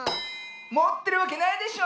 もってるわけないでしょ。